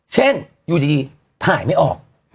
เช่นอยู่ดีถ่ายไม่ออก